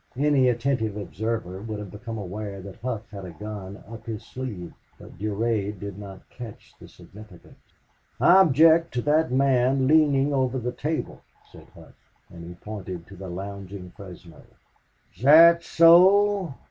Any attentive observer would have become aware that Hough had a gun up his sleeve. But Durade did not catch the significance. "I object to that man leaning over the table," said Hough, and he pointed to the lounging Fresno. "Thet so?"